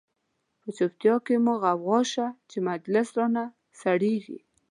په چوپتیا کی مو غوغا شه، چه مجلس را نه سړیږی